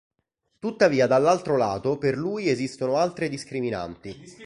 Tuttavia dall'altro lato per lui esistono altre discriminanti.